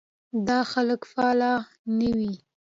دا خلک فعال نه وي.